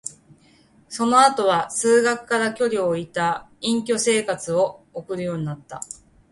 その後は、数学から距離を置いた隠遁生活を送るようになった。